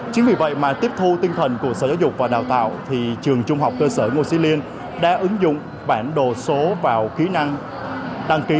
chính vì vậy mà tiếp thu tinh thần của sở giáo dục và đào tạo thì trường trung học cơ sở ngô sĩ liên đã ứng dụng bản đồ số vào kỹ năng đăng ký